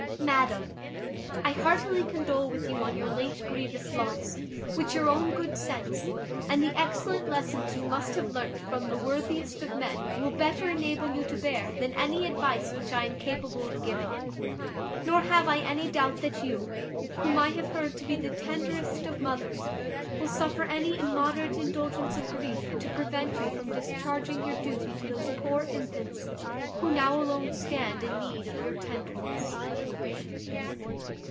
"'Madam, "'I heartily condole with you on your late grievous loss, which your own good sense, and the excellent lessons you must have learnt from the worthiest of men, will better enable you to bear than any advice which I am capable of giving. Nor have I any doubt that you, whom I have heard to be the tenderest of mothers, will suffer any immoderate indulgence of grief to prevent you from discharging your duty to those poor infants, who now alone stand in need of your tenderness.